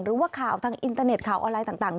หรือว่าข่าวทางอินเตอร์เน็ตข่าวออนไลน์ต่าง